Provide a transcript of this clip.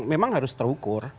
memang harus terukur